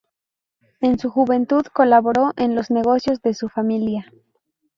En su juventud, colaboró en los negocios de su familia.